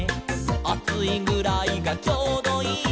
「『あついぐらいがちょうどいい』」